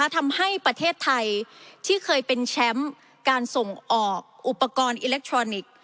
ทำให้ประเทศไทยที่เคยเป็นแชมป์การส่งออกอุปกรณ์อิเล็กทรอนิกส์